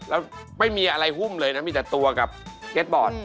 แล้วไม่มีอะไรหุ้มเลยนะมีแต่ตัวกับเก็ตบอร์ด